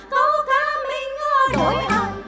câu ca mình đổi ân